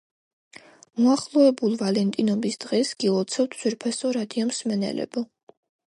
მოახლოებულ ვალენტინობის დღეს გილოცავთ ძვირფასო რადიომსმენელებო.